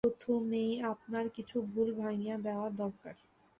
প্রথমেই আপনার কিছু ভুল ভাঙিয়ে দেওয়া দরকার।